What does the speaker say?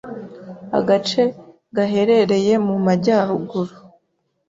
agace gaherereye mu majyaruguru